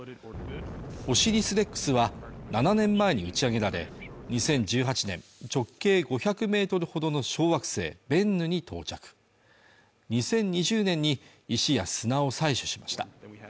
「オシリス・レックス」は７年前に打ち上げられ２０１８年直径５００メートルほどの小惑星ベンヌに到着２０２０年に石や砂を採取しました